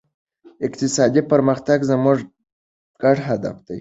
اقتصادي پرمختګ زموږ ګډ هدف دی.